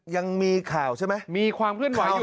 ยังมีข่าวแหละ